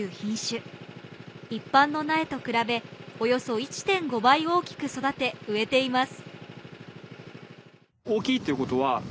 一般の苗と比べおよそ１．５倍大きく育て植えています。